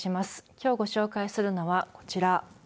きょうご紹介するのはこちら。